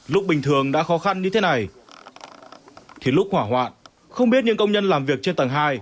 lúc bình thường đã khó khăn như thế này thì lúc hỏa hoạn không biết những công nhân làm việc trên tầng hai